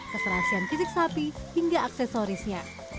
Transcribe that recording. keserasian fisik sapi hingga aksesorisnya